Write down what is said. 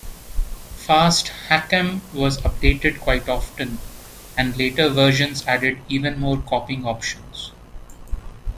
"Fast Hack'em" was updated quite often, and later versions added even more copying options.